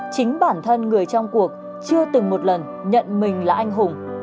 chính bản thân người trong cuộc chưa từng một lần nhận mình là anh hùng